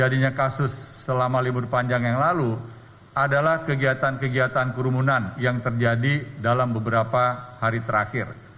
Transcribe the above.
jadinya kasus selama libur panjang yang lalu adalah kegiatan kegiatan kerumunan yang terjadi dalam beberapa hari terakhir